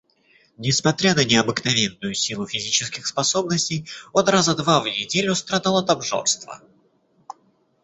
Несмотря на необыкновенную силу физических способностей, он раза два в неделю страдал от обжорства.